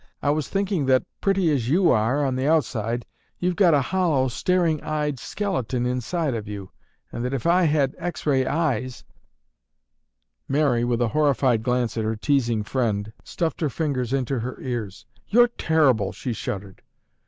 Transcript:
I was thinking that, pretty as you are on the outside, you've got a hollow, staring eyed skeleton inside of you and that if I had X ray eyes—" Mary, with a horrified glance at her teasing friend, stuffed her fingers into her ears. "You're terrible!" She shuddered.